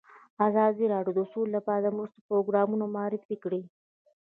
ازادي راډیو د سوله لپاره د مرستو پروګرامونه معرفي کړي.